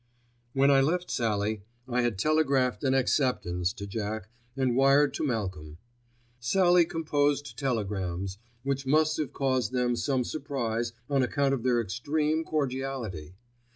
When I left Sallie, I had telegraphed an acceptance to Jack and wired to Malcolm. Sallie composed telegrams, which must have caused them some surprise on account of their extreme cordiality.